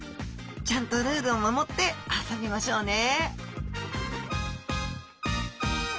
ちゃんとルールを守って遊びましょうね！